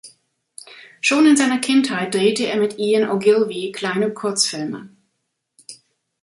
Schon in seiner Kindheit drehte er mit Ian Ogilvy kleine Kurzfilme.